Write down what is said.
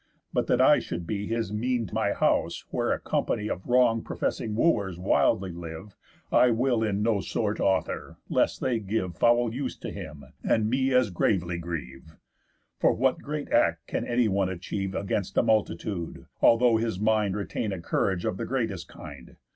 But that I should be His mean to my house; where a company Of wrong professing Wooers wildly live, I will in no sort author, lest they give Foul use to him, and me as gravely grieve. For what great act can anyone achieve Against a multitude, although his mind Retain a courage of the greatest kind?